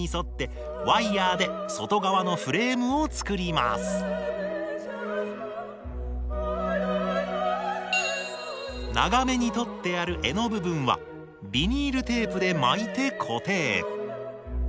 まずは長めにとってある柄の部分はビニールテープで巻いて固定。